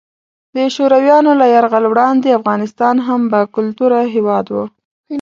د شورویانو له یرغل وړاندې افغانستان هم باکلتوره هیواد وو.